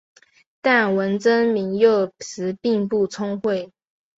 但文征明幼时并不聪慧。